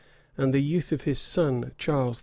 and the youth of his son, Charles VI.